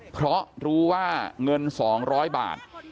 เพราะรู้ว่าเงิน๒๐๐บาท